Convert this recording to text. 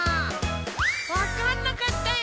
わかんなかったよ。